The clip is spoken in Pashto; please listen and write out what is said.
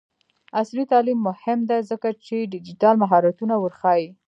عصري تعلیم مهم دی ځکه چې ډیجیټل مهارتونه ورښيي.